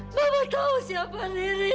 mama tau siapa riri